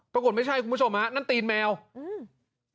ปรากฏไม่ใช่คุณผู้ชมฮะนั่นตีนแมวอืม